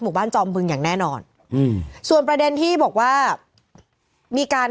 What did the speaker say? บ้านจอมบึงอย่างแน่นอนอืมส่วนประเด็นที่บอกว่ามีการ